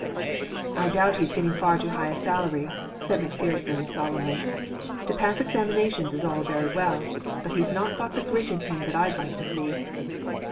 'I doubt he's getting far too high a salary,' said Macpherson solemnly. 'To pass examinations is all very well; but he's not got the grit in him that I'd like to see.'